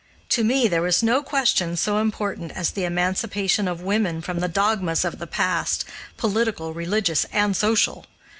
To me there was no question so important as the emancipation of women from the dogmas of the past, political, religious, and social.